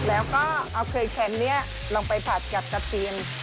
แล้วก็เอาเคยแคมป์นี้ลงไปผัดกับกระเทียม